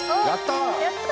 やった。